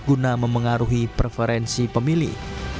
guna memengaruhi preferensi pemilih